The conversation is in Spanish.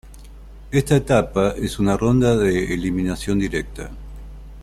Esta etapa, es una ronda de eliminación directa.